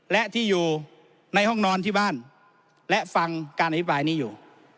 และที่อยู่ในห้องนอนที่บ้านและฟังการอภิปรายนี้อยู่